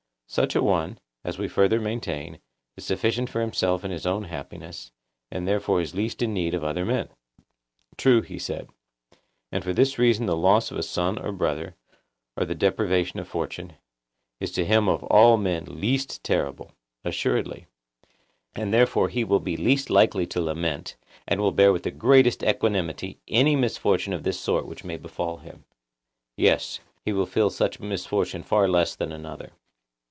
Such an one, as we further maintain, is sufficient for himself and his own happiness, and therefore is least in need of other men. True, he said. And for this reason the loss of a son or brother, or the deprivation of fortune, is to him of all men least terrible. Assuredly. And therefore he will be least likely to lament, and will bear with the greatest equanimity any misfortune of this sort which may befall him. Yes, he will feel such a misfortune far less than another.